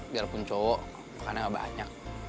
walaupun cowok makannya gak banyak